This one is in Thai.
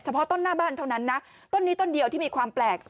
เพราะต้นหน้าบ้านเท่านั้นนะต้นนี้ต้นเดียวที่มีความแปลก